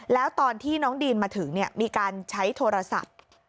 แล้วตอนที่น้องดีนมาถึงมีการใช้โทรศัพท์